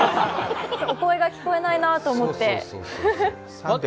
お声が聞こえないなと思って。